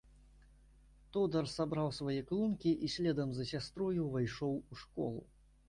Тодар сабраў свае клункі і следам за сястрою увайшоў у школу.